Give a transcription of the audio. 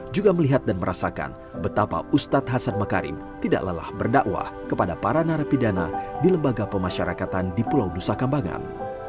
juga melihat dan merasakan betapa ustadz hasan makarim tidak lelah berdakwah kepada para narapidana di lembaga pemasyarakatan di pulau nusa kambangan